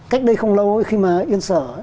cách đây không lâu khi mà yên sở